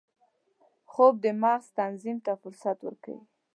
خوب د مغز تنظیم ته فرصت ورکوي